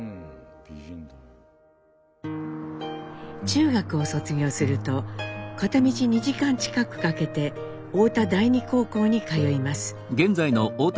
中学を卒業すると片道２時間近くかけて太田第二高校に通います。